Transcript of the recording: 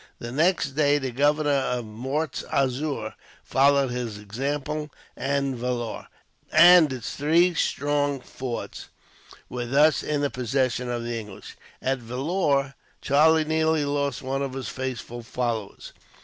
The next day the governor of Mortz Azur followed his example; and Vellore, and its three strong forts, were thus in the possession of the English. At Vellore, Charlie nearly lost one of his faithful followers.